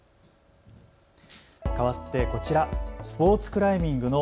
かわってこちら、スポーツクライミングの